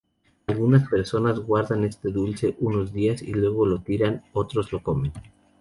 Algunas personas guardan este dulce unos días y luego lo tiran, otros lo comen.